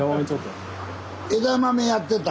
枝豆やってた！